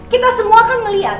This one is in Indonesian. kita semua kan melihat